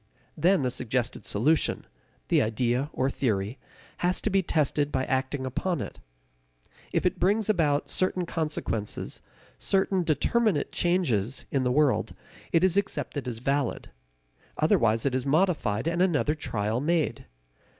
Then the suggested solution the idea or theory has to be tested by acting upon it. If it brings about certain consequences, certain determinate changes, in the world, it is accepted as valid. Otherwise it is modified, and another trial made.